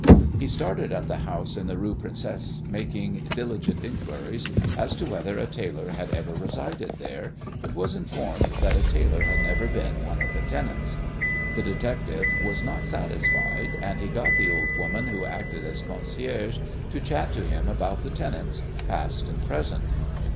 He started at the house in the Rue Princesse, making diligent inquiries as to whether a tailor had ever resided there, but was informed that a tailor had never been one of the tenants. The detective was not satisfied, and he got the old woman who acted as concierge to chat to him about the tenants, past and present.